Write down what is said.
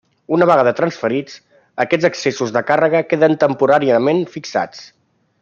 Una vegada transferits, aquests excessos de càrrega queden temporàniament fixats.